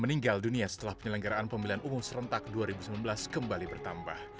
meninggal dunia setelah penyelenggaraan pemilihan umum serentak dua ribu sembilan belas kembali bertambah